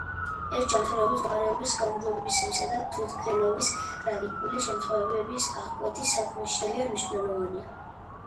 ეს ჯანმრთელობის მდგომარეობის გაუმჯობესებისა და თვითმკვლელობის ტრაგიკული შემთხვევების აღკვეთის საქმეში ძალიან მნიშვნელოვანია.